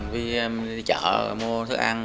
vì em đi chợ mua thức ăn